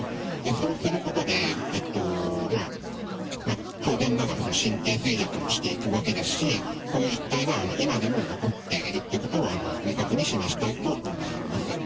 そうすることで、当然ながら、神経衰弱もしていくわけですし、こういう実態が今でも残っているってことを明確に示したいと思います。